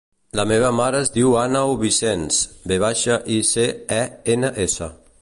La meva mare es diu Àneu Vicens: ve baixa, i, ce, e, ena, essa.